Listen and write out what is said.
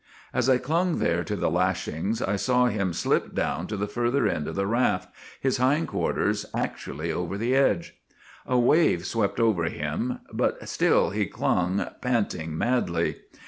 " As I clung there to the lashings, I saw him slip down to the further end of the raft, his hind quar ters actually over the edge. A wave swept over him, but still he clung, panting madly.